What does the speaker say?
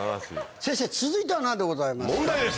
先生続いては何でございます？